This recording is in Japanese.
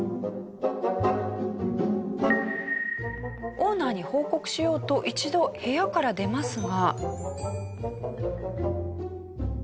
オーナーに報告しようと一度部屋から出ますが。